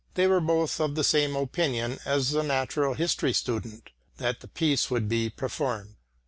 They were both of the same opinion as the natural history student, that the piece would be performed.